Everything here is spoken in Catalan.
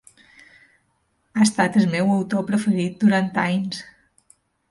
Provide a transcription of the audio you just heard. Ha estat el meu autor preferit durant anys!